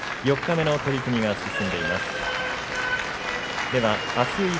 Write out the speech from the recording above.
四日目の取組が進んでいます。